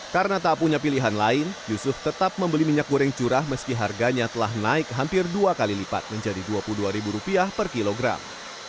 karena tak punya pilihan lain yusuf tetap membeli minyak goreng curah meski harganya telah naik hampir dua kali lipat menjadi dua puluh dua ribu rupiah per kilogram